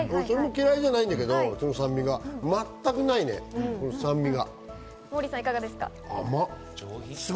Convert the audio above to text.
それが嫌いじゃないんだけど、これは全くないね、酸味が。